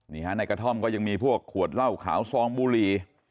นี่ฮะในกระท่อมก็ยังมีพวกขวดเหล้าขาวซองบุหรี่